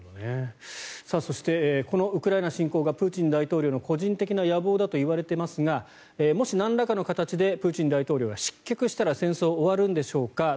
そしてこのウクライナ侵攻がプーチン大統領の個人的な野望だといわれていますがもし、なんらかの形でプーチン大統領が失脚したら戦争は終わるんでしょうか。